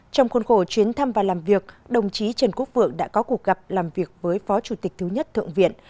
trong khuôn khổ chuyến thăm và làm việc đồng chí trần quốc vượng đã có cuộc gặp làm việc với phó chủ tịch thứ nhất thượng viện